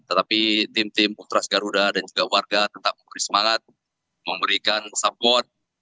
tetapi tim tim putra segaruda dan juga warga tetap bersemangat memberikan support